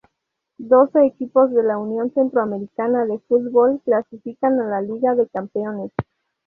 Doce equipos de la Unión Centroamericana de Fútbol clasifican a la Liga de Campeones.